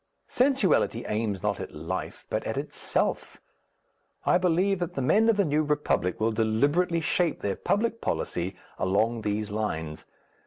Sensuality aims not at life, but at itself. I believe that the men of the New Republic will deliberately shape their public policy along these lines.